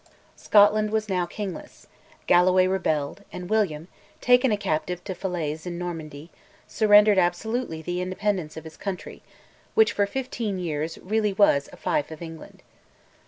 Scotland was now kingless; Galloway rebelled, and William, taken a captive to Falaise in Normandy, surrendered absolutely the independence of his country, which, for fifteen years, really was a fief of England.